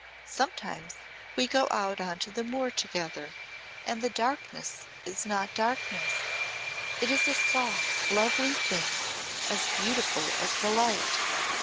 Sometimes we go out onto the moor together and the darkness is not darkness it is a soft lovely thing as beautiful as the light.